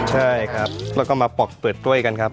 ใช่ครับแล้วก็มาปอกเปิดกล้วยกันครับ